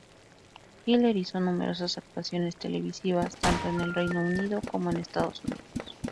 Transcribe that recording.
Hiller hizo numerosas actuaciones televisivas, tanto en el Reino Unido como en Estados Unidos.